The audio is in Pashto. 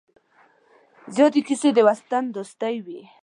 زیاتې کیسې د وطن دوستۍ وې.